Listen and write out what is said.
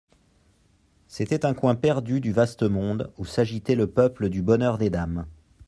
C'était un coin perdu du vaste monde où s'agitait le peuple du Bonheur des Dames.